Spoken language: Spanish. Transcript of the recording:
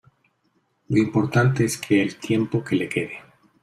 lo importante es que el tiempo que le quede